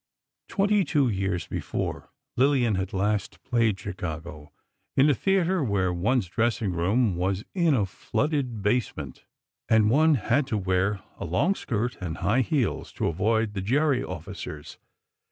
Twenty two years before, Lillian had last "played Chicago," in a theatre where one's dressing room was in a flooded basement, and one had to wear a long skirt and high heels to avoid the Gerry officers.